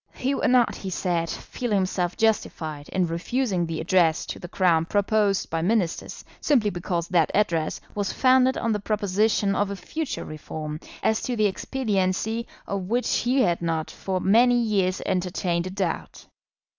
He would not, he said, feel himself justified in refusing the Address to the Crown proposed by Ministers, simply because that Address was founded on the proposition of a future reform, as to the expediency of which he had not for many years entertained a doubt.